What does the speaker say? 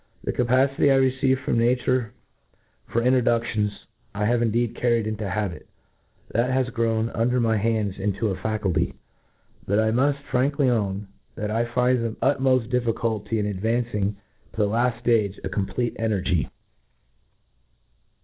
The capacity I received froni nature for introdudions^ I have indeed carried into habi t t hat has grown un der my hands into 2l f acuity "— h\xt I muft frank ly own, that I find the utmoft difficulty in advan^ cing to the laft ftage, a complcat energy.